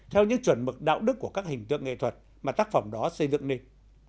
theo những chuẩn mực đạo đức của các hình tượng nghệ thuật mà tác phẩm đó xây dựng nên